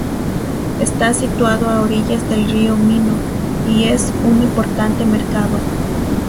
Está situado a orillas del río Minho, y es un importante mercado.